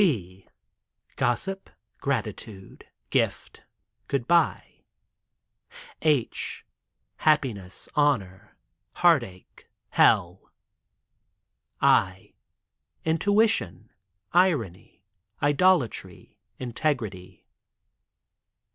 G — Gossip — Gratitude — Gift — Goodbye. H — Happiness — Honor — Heartache — Hell. I — Intuition — Irony — Idolatry — Integrity.